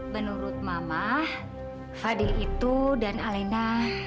menurut mama fadil itu dan alena